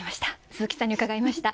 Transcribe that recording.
鈴木さんに伺いました。